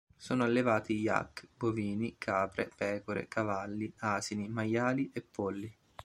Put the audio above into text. Sono allevati yak, bovini, capre, pecore, cavalli, asini, maiali e polli.